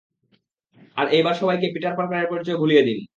আর এইবার সবাইকে পিটার পার্কারের পরিচয় ভুলিয়ে দিন।